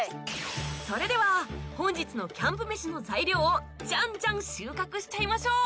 それでは本日のキャンプ飯の材料をじゃんじゃん収穫しちゃいましょう！